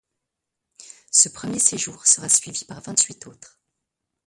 Ce premier séjour sera suivi par vingt-huit autres.